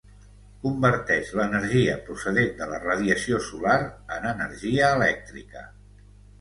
converteix l'energia procedent de la radiació solar en energia elèctrica